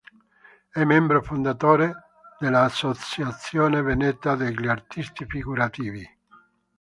È membro fondatore dell’"Associazione Veneta degli artisti figurativi".